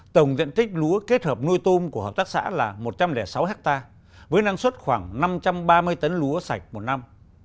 tổng diện tích lúa kết hợp nuôi tôm của hợp tác xã là một trăm linh sáu hectare với năng suất khoảng năm trăm ba mươi tấn lúa sạch một năm